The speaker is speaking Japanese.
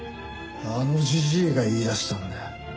あのジジイが言い出したんだよ。